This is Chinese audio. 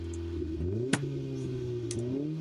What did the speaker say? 短翼菊头蝠为菊头蝠科菊头蝠属的动物。